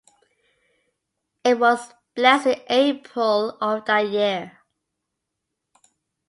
It was blessed in April of that year.